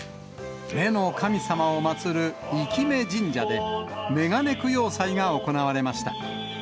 目の神様を祭る生目神社で、めがね供養祭が行われました。